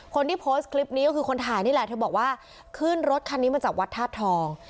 คนที่โพสต์คลิปนี้ก็คือคนถ่ายนี่แหละเธอบอกว่าขึ้นรถคันนี้มาจากวัดธาตุทอง